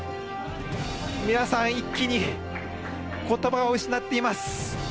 皆さん、一気に言葉を失っています